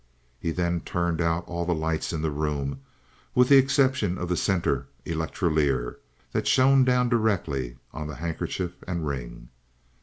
He then turned out all the lights in the room with the exception of the center electrolier, that shone down directly on the handkerchief and ring.